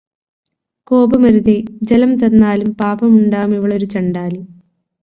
കോപമേലരുതേ; ജലം തന്നാലും, പാപമുണ്ടാ മിവളൊരു ചണ്ഡാലി.